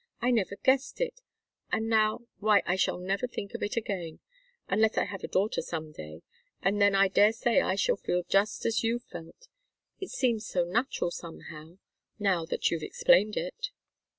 I never guessed it, and now why, I shall never think of it again. Unless I have a daughter some day and then I daresay I shall feel just as you've felt. It seems so natural, somehow now that you've explained it."